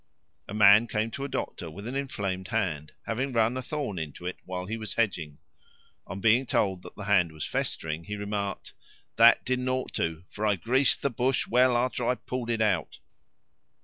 A man came to a doctor with an inflamed hand, having run a thorn into it while he was hedging. On being told that the hand was festering, he remarked, "That didn't ought to, for I greased the bush well after I pulled it out."